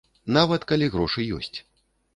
Нават калі грошы ёсць.